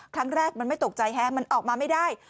ครั้งแรกมันไม่ตกใจฮะมันออกมาไม่ได้